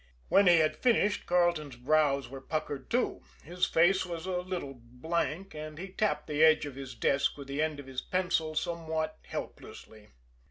When he had finished, Carleton's brows were puckered, too, his face was a little blank, and he tapped the edge of his desk with the end of his pencil somewhat helplessly.